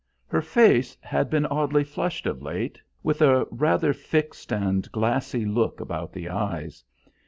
Her face had been oddly flushed of late, with a rather fixed and glassy look about the eyes.